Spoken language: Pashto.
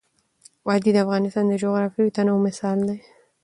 وادي د افغانستان د جغرافیوي تنوع مثال دی.